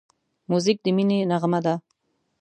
موزیک د مینې نغمه ده.